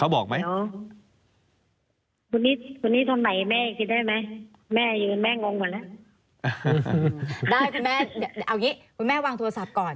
เอางี้คุณแม่วางโทรศัพท์ก่อน